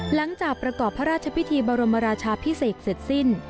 หลังจากประกอบพระราชพิธีบรมราชาพิเศษเสร็จสิ้น